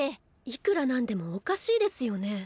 いくら何でもおかしいですよね。